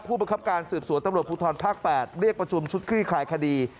ประคับการสืบสวนตำรวจภูทรภาค๘เรียกประชุมชุดคลี่คลายคดี